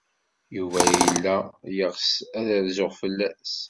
Yuba yella yeɣs ad rzuɣ fell-as.